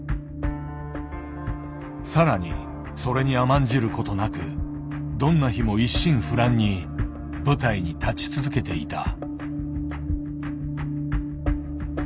更にそれに甘んじることなくどんな日も一心不乱に舞台に立ち続けていた。